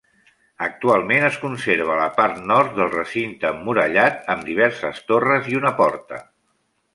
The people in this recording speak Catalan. Actualment es conserva la part nord del recinte emmurallat, amb diverses torres i una porta.